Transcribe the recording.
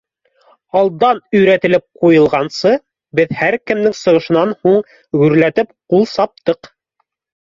Алдан өйрәтелеп ҡуйылғанса, беҙ һәр кемдең сығышынан һуң гөрләтеп ҡул саптыҡ.